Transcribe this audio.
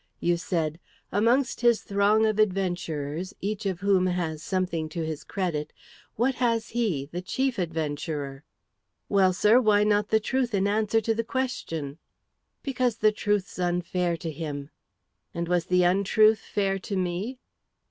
You said, 'Amongst his throng of adventurers, each of whom has something to his credit, what has he, the chief adventurer?'" "Well, sir, why not the truth in answer to the question?" "Because the truth's unfair to him." "And was the untruth fair to me?"